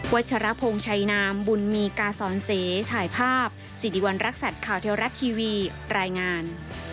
ชรพงศ์ชัยนามบุญมีกาสอนเสถ่ายภาพสิริวัณรักษัตริย์ข่าวเทวรัฐทีวีรายงาน